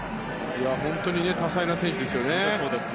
本当に多彩な選手ですね。